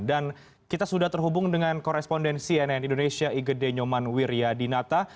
dan kita sudah terhubung dengan korespondensi cnn indonesia igede nyoman wiryadinata